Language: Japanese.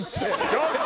ちょっと！